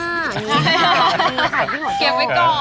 ดูแลค่ะพี่หอยโท